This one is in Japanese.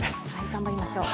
頑張りましょう。